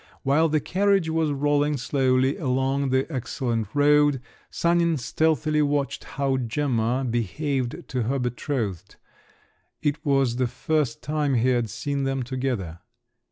While the carriage was rolling slowly along an excellent road, Sanin stealthily watched how Gemma behaved to her betrothed; it was the first time he had seen them together.